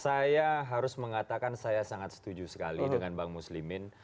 saya harus mengatakan saya sangat setuju sekali dengan bang muslimin